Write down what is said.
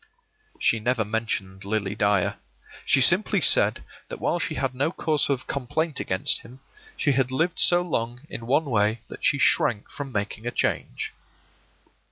She never mentioned Lily Dyer. She simply said that while she had no cause of complaint against him, she had lived so long in one way that she shrank from making a change.